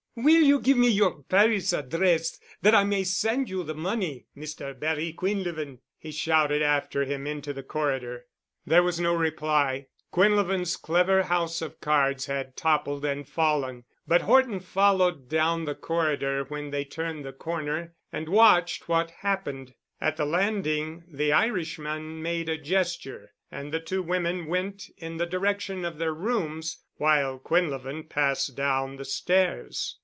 "Will you give me your Paris address, that I may send you the money, Mr. Barry Quinlevin?" he shouted after him into the corridor. There was no reply. Quinlevin's clever house of cards had toppled and fallen. But Horton followed down the corridor when they turned the corner and watched what happened. At the landing, the Irishman made a gesture and the two women went in the direction of their rooms, while Quinlevin passed down the stairs.